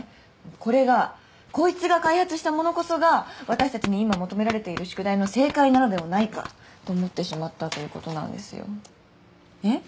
これがこいつが開発したものこそが私たちに今求められている宿題の正解なのではないかと思ってしまったということなんですよえっ？